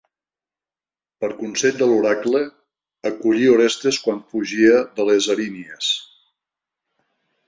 Per consell de l'oracle, acollí Orestes quan fugia de les Erínies.